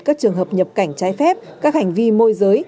các trường hợp nhập cảnh trái phép các hành vi môi giới